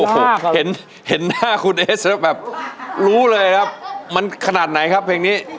โอ้โหเห็นหน้าคุณเอสแล้วแบบรู้เลยครับมันขนาดไหนครับเพลงนี้